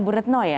di antara kita